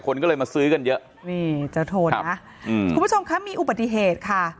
คนก็เลยมาซื้อกันเยอะนี่เจ้าโทนนะอืมคุณผู้ชมคะมีอุบัติเหตุค่ะ